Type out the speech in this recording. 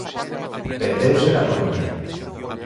Vendeuse na Coruña.